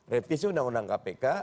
repisi undang undang kpk